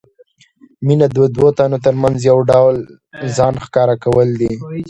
مینه د دوو تنو ترمنځ یو ډول ځان ښکاره کول دي.